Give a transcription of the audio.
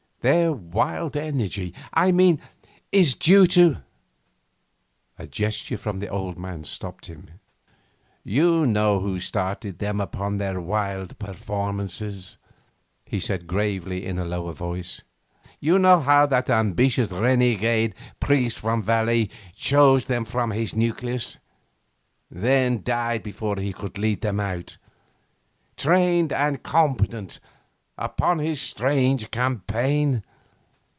Their wild energy, I mean, is due to ' A gesture from the old man stopped him. 'You know who started them upon their wild performances,' he said gravely in a lower voice; 'you know how that ambitious renegade priest from the Valais chose them for his nucleus, then died before he could lead them out, trained and competent, upon his strange campaign?